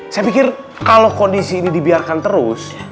saya pikir kalau kondisi ini dibiarkan terus